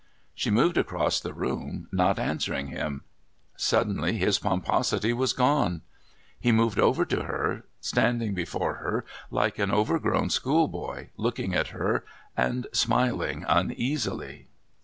She moved across the room, not answering him. Suddenly his pomposity was gone. He moved over to her, standing before her like an overgrown schoolboy, looking at her and smiling uneasily.